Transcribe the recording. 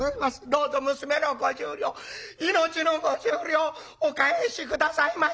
どうぞ娘の５０両命の５０両お返し下さいまし！」。